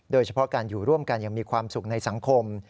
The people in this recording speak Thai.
โดยเฉพาะการอยู่ร่วมกันอย่างมีความสุขในสังคม